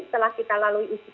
setelah kita lalui uji ujikan